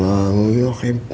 pertanyaannya sudah sama